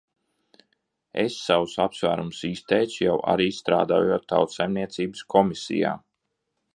Es savus apsvērumus izteicu, jau arī strādājot Tautsaimniecības komisijā.